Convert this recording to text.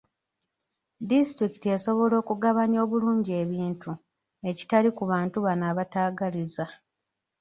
Disitulikiti esobola okugabanya obulungi ebintu ekitali ku bantu bano abataagaliza.